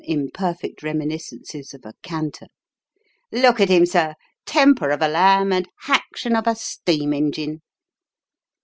257 perfect reminiscences of a canter. " Look at him, sir ! temper of a lamb and haction of a steam ingein !